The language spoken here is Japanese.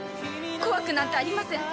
怖くなんてありません。